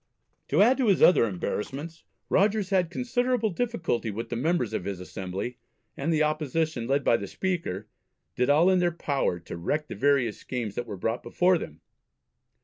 To add to his other embarrassments Rogers had considerable difficulty with the members of his Assembly, and the opposition, led by the Speaker, did all in their power to wreck the various schemes that were brought before them.